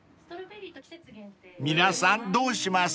［皆さんどうします？］